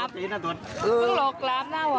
เพิ่งหลอกกราฟหน้าวะ